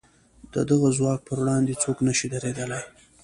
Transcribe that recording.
د دغه ځواک پر وړاندې څوک نه شي درېدلای.